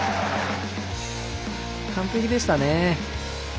完璧でしたね。